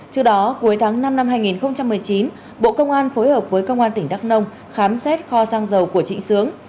trước đó cuối tháng năm năm hai nghìn một mươi chín bộ công an phối hợp với công an tỉnh đắk nông khám xét kho sang dầu của trịnh sướng